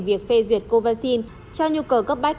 việc phê duyệt covaxin cho nhu cơ cấp bách